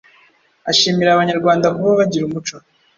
Ashimira Abanyarwanda kuba bagira umuco